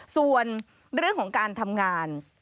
ส่วนเรื่องของการทำงาน